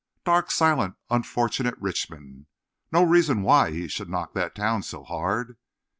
'Dark silent unfortunate richmond'—no reason why he should knock that town so hard.